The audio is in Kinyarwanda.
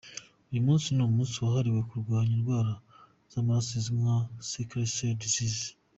Uyu munsi ni umunsi wahariwe kurwanya indwara y’amaraso izwi nka Sickle Cell Disease.